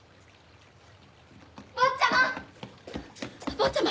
坊ちゃま！